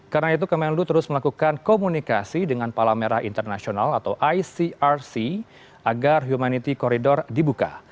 karena itu kementerian luar negeri terus melakukan komunikasi dengan palamera internasional atau icrc agar humanity corridor dibuka